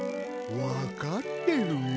わかってるよ。